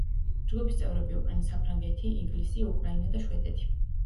ჯგუფის წევრები იყვნენ საფრანგეთი, ინგლისი, უკრაინა და შვედეთი.